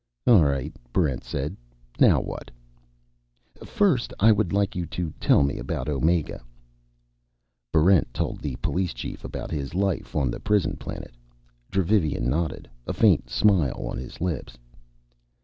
"All right," Barrent said. "Now what?" "First I would like you to tell me about Omega." Barrent told the Police Chief about his life on the prison planet. Dravivian nodded, a faint smile on his lips.